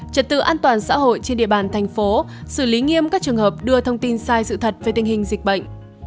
trật tự an toàn xã hội trên địa bàn thành phố xử lý nghiêm các trường hợp đưa thông tin sai sự thật về tình hình dịch bệnh